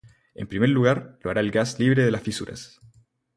En primer lugar lo hará el gas libre de las fisuras.